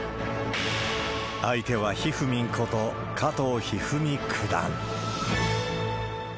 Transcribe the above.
相手は、ひふみんこと加藤一二三九段。